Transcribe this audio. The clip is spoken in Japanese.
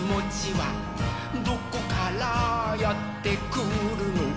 「どこからやってくるの？」